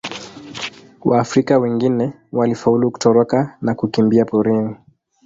Waafrika wengine walifaulu kutoroka na kukimbia porini.